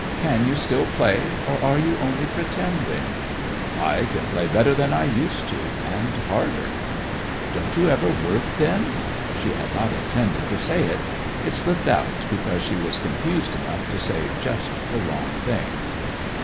"Can you still play, or are you only pretending?" "I can play better than I used to, and harder." "Don't you ever work, then?" She had not intended to say it. It slipped out because she was confused enough to say just the wrong thing.